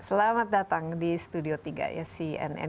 selamat datang di studio tiga ya si nn